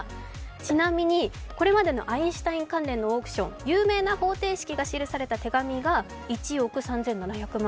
ちなみに、これまでのアインシュタイン関連のオークション有名な方程式が記された手紙が１億３７００万。